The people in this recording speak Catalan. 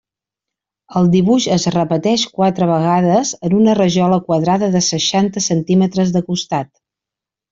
El dibuix es repeteix quatre vegades en una rajola quadrada de seixanta centímetres de costat.